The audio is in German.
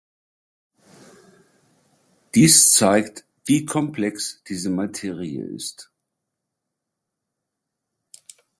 Dies zeigt, wie komplex diese Materie ist.